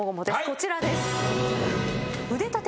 こちらです。